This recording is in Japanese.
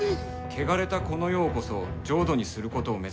「汚れたこの世をこそ浄土にすることを目指せ」。